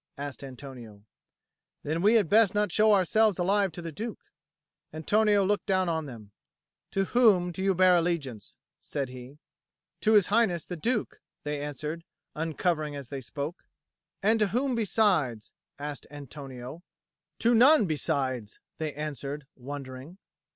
asked Antonio. "Then we had best not show ourselves alive to the Duke." Antonio looked down on them. "To whom bear you allegiance?" said he. "To His Highness the Duke," they answered, uncovering as they spoke. "And to whom besides?" asked Antonio. "To none besides," they answered, wondering.